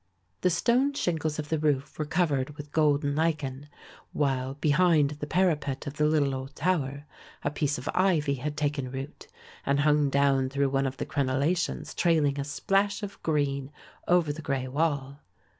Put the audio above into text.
The stone shingles of the roof were covered with golden lichen, while, behind the parapet of the little old tower, a piece of ivy had taken root and hung down through one of the crenellations trailing a splash of green over the grey wall.